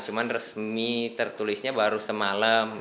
cuma resmi tertulisnya baru semalam